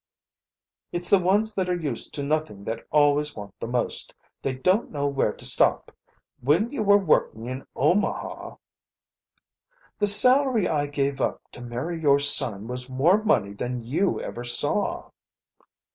"It's the ones that are used to nothing that always want the most. They don't know where to stop. When you were working in Omaha " "The salary I gave up to marry your son was more money than you ever saw."